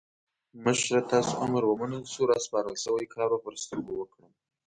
مشره تاسو امر ومنل شو؛ راسپارل شوی کار به پر سترګو وکړم.